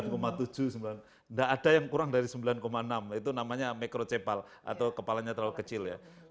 tidak ada yang kurang dari sembilan enam itu namanya microcepal atau kepalanya terlalu kecil ya